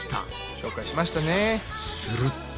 紹介しましたね。